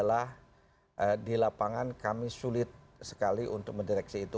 yang paling penting adalah di lapangan kami sulit sekali untuk mendeteksi itu